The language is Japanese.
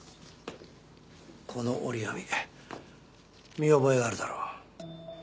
この折り紙見覚えあるだろ？